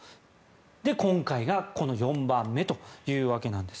今回がこの４番目というわけです。